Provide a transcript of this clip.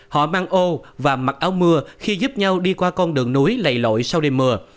họ mang ô và mặc áo mưa khi giúp nhau đi qua con đường núi lầy lội sau đêm mưa